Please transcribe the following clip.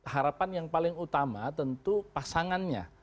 harapan yang paling utama tentu pasangannya